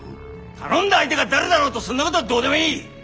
頼んだ相手が誰だろうとそんなことはどうでもいい！